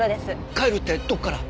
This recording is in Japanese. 帰るってどこから？